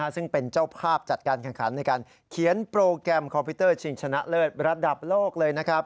ซึ่งเป็นเจ้าภาพจัดการแข่งขันในการเขียนโปรแกรมคอมพิวเตอร์ชิงชนะเลิศระดับโลกเลยนะครับ